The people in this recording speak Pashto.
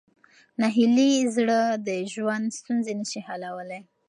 ناهیلي زړه د ژوند ستونزې نه شي حل کولی.